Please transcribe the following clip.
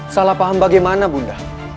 salahpaham bagaimana bunda